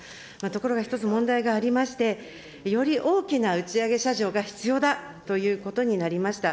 ところが一つ、問題がありまして、より大きな打ち上げ射場が必要だということになりました。